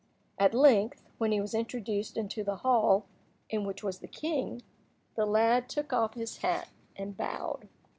At length, when he was introduced into the hall in which was the king, the lad took off his hat and bowed.